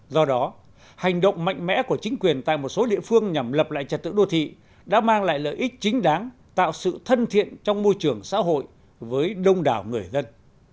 do đó hành động mạnh mẽ của chính quyền tại một số địa phương nhằm lập lại trật tự đô thị đã mang lại lợi ích chính đáng tạo sự thân thiện trong môi trường xã hội với đông đảo người dân